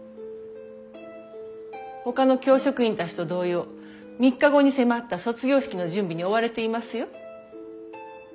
ほかの教職員たちと同様３日後に迫った卒業式の準備に追われていますよ。